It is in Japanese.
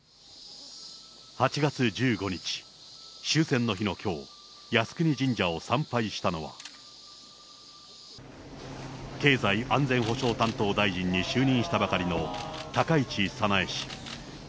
８月１５日、終戦の日のきょう、靖国神社を参拝したのは、経済安全保障担当大臣に就任したばかりの高市早苗氏。